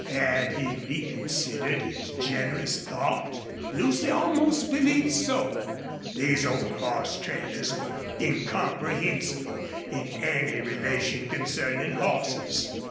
Had he reconsidered his generous thought? Lucy almost believed so. These old horse traders were incomprehensible in any relation concerning horses.